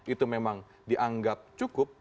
itu memang dianggap cukup